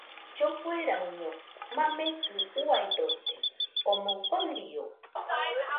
Llofueraɨño mamekɨ uiadote, omɨ farió